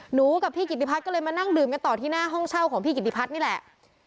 หนูกับพี่กิติพัฒน์ก็เลยมานั่งดื่มกันต่อที่หน้าห้องเช่าของพี่กิติพัฒน์นี่แหละ